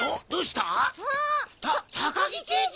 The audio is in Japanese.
た高木刑事！